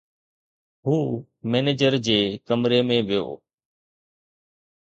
هو مئنيجر جي ڪمري ۾ ويو